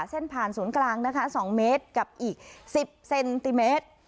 เส้นผ่านศูนย์กลางนะคะ๒เมตรกับอีก๑๐เซนติเมตร